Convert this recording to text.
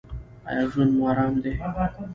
ایا ژوند مو ارام دی؟